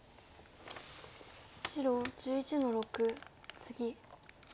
白１１の六ツギ。